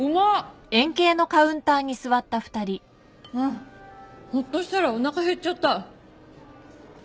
ハァほっとしたらおなか減っちゃった。